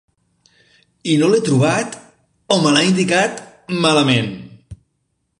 I no l'he trobat o me l'ha indicat malament...